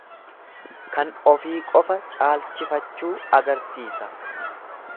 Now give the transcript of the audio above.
Kan ofii qofa caalchifachuu agarsiisa.